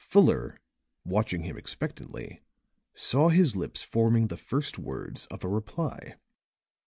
Fuller, watching him expectantly, saw his lips forming the first words of a reply.